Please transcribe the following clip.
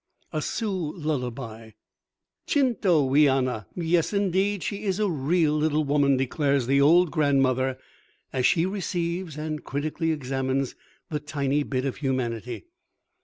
_ Sioux Lullaby._ "Chinto, wéyanna! Yes, indeed; she is a real little woman," declares the old grandmother, as she receives and critically examines the tiny bit of humanity.